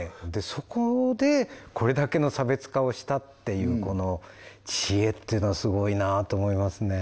そこでこれだけの差別化をしたっていうこの知恵っていうのはすごいなと思いますね